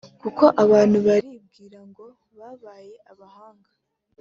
Kuko abantu baribwira ngo babaye abahanga